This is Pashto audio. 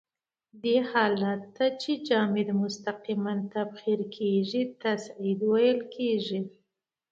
دې حالت ته چې جامد مستقیماً تبخیر کیږي تصعید ویل کیږي.